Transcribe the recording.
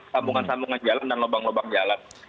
sambungan sambungan jalan dan lobang lobang jalan